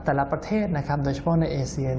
แต่ละประเทศนะครับโดยเฉพาะในเอเซีย